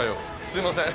すみません。